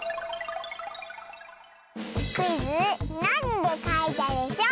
クイズ「なにでかいたでショー」